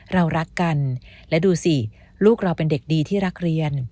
เรารักกันและดูสิลูกเราเป็นเด็กดีที่รักเรียน